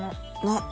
ねっ。